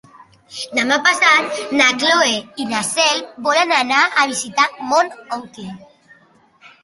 Demà passat na Cloè i na Cel volen anar a visitar mon oncle.